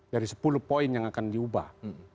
dari sepuluh poin yang akan diubah